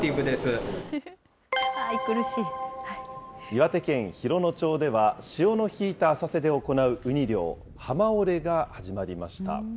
岩手県洋野町では、潮の引いた浅瀬で行うウニ漁、浜下れが始まりました。